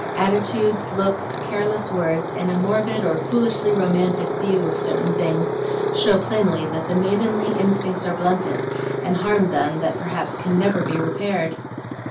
Attitudes, looks, careless words, and a morbid or foolishly romantic view of certain things, show plainly that the maidenly instincts are blunted, and harm done that perhaps can never be repaired."